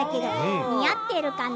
似合っているかな？